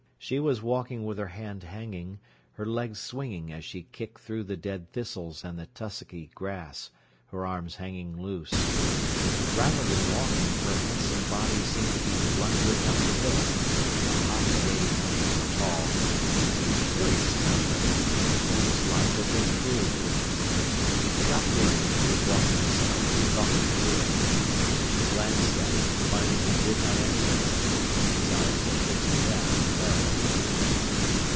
She was walking with her hand hanging, her legs swinging as she kicked through the dead thistles and the tussocky grass, her arms hanging loose. Rather than walking, her handsome body seemed to be blundering up the hill. A hot wave went over Paul. He was curious about her. Perhaps life had been cruel to her. He forgot Miriam, who was walking beside him talking to him. She glanced at him, finding he did not answer her. His eyes were fixed ahead on Clara.